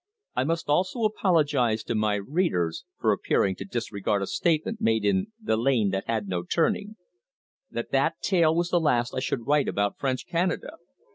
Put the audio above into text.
I must also apologise to my readers for appearing to disregard a statement made in 'The Lane that Had no Turning', that that tale was the last I should write about French Canada.